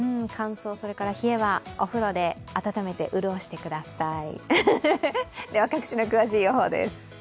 乾燥それから冷えはお風呂で温めて、潤してください。